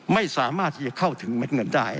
ไม่สามารถที่จะเข้าถึงเม็ดเงินได้